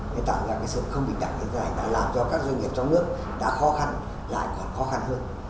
để tạo ra cái sự không bình đẳng như thế này đã làm cho các doanh nghiệp trong nước đã khó khăn lại còn khó khăn hơn